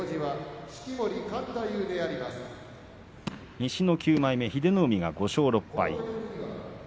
西の９枚目英乃海が５勝６敗。